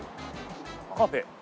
カフェ。